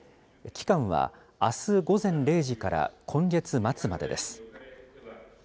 期間はあす午前０時から今月末までです。